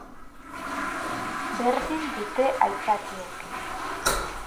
Berdin dute aitzakiek.